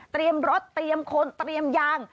เตรียมรถเตรียมขนเตรียมยาง